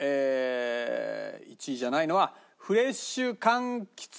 １位じゃないのは。